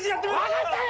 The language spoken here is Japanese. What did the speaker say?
分かったよ！